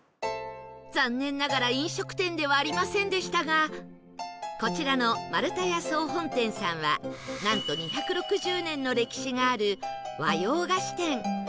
残念ながら飲食店ではありませんでしたがこちらの丸田屋総本店さんはなんと２６０年の歴史がある和洋菓子店